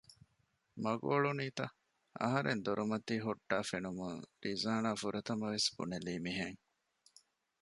މަގު އޮޅުނީތަ؟ އަހަރެން ދޮރުމަތީ ހުއްޓައި ފެނުމުން ރިޒާނާ ފުރަތަމަ ވެސް ބުނެލީ މިހެން